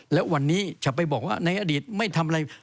แล้ววันนี้จะไปบอกว่าในอดีตไม่ทำอะไร